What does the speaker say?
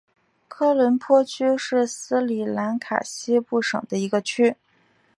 科伦坡区是斯里兰卡西部省的一个区。